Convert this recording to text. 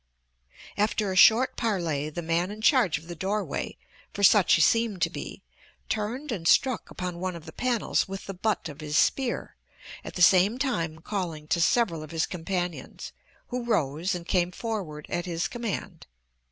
After a short parley the man in charge of the doorway, for such he seemed to be, turned and struck upon one of the panels with the butt of his spear, at the same time calling to several of his companions, who rose and came forward at his command.